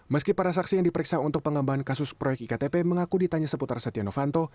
meski para saksi yang diperiksa untuk pengembangan kasus proyek iktp mengaku ditanya seputar setia novanto